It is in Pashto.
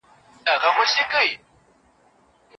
پلار د اولاد لپاره د نړۍ تر ټولو مخلص مشاور دی.